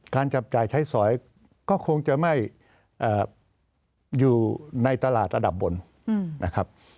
จับจ่ายใช้สอยก็คงจะไม่อยู่ในตลาดระดับบนนะครับ